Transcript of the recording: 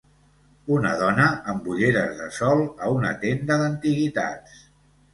Una dona amb ulleres de sol a una tenda d'antiguitats.